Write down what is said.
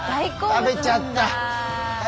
食べちゃった。